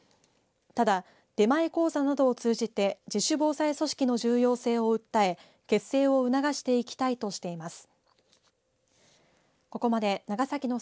ただ出前講座などを通じて自主防災組織の重要性を訴え結成を促していきたいとしています。